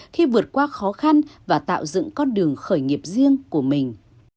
khi vượt qua khó khăn và tạo dựng con đường khởi nghiệp riêng của mình